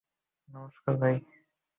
নমস্কার, ভাই।